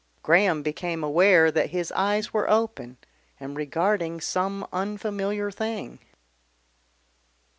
Graham became aware that his eyes were open and regarding some unfamiliar thing.